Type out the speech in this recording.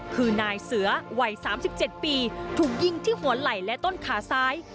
คือนายเสือวัย๓๗ปีถูกยิงที่หัวไหล่และต้นขาซ้าย